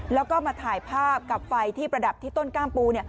แล้วก็มาถ่ายภาพกับไฟที่ประดับที่ต้นกล้ามปู